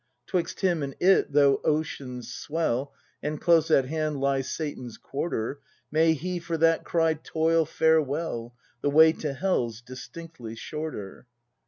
'Twixt him and it though oceans swell. And close at hand lie Satan's quarter, May he for that cry "Toil, farewell — The way to hell's distinctly shorter!"?